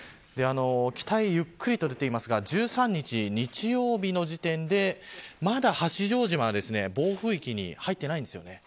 北へゆっくりと出ていますが１３日、日曜日の時点でまだ八丈島は暴風域に入っていません。